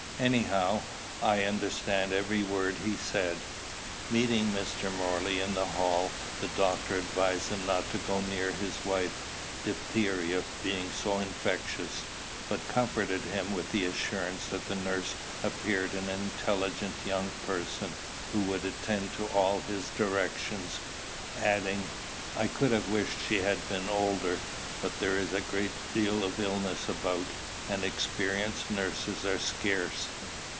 Anyhow, I understood every word he said." Meeting Mr. Morley in the hall, the doctor advised him not to go near his wife, diphtheria being so infectious; but comforted him with the assurance that the nurse appeared an intelligent young person, who would attend to all his directions; adding, "I could have wished she had been older; but there is a great deal of illness about, and experienced nurses are scarce."